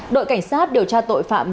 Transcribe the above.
đội cảnh sát điều tra tội phạm